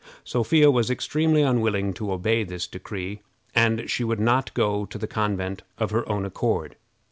Sophia was extremely unwilling to obey this decree, and she would not go to the convent of her own accord.